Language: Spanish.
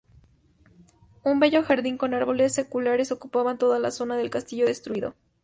Un bello jardín con árboles seculares ocupaba toda zona del castillo destruido.